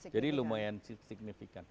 jadi lumayan signifikan